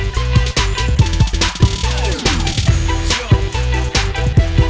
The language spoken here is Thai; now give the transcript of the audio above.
ขอบคุณค่ะ